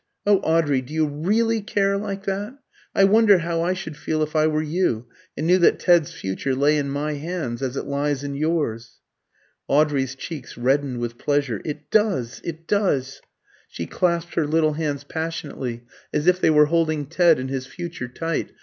Oh, Audrey, do you really care like that? I wonder how I should feel if I were you, and knew that Ted's future lay in my hands, as it lies in yours." Audrey's cheeks reddened with pleasure. "It does! It does!" She clasped her little hands passionately, as if they were holding Ted and his future tight.